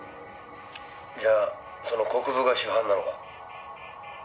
「じゃあその国分が主犯なのか？」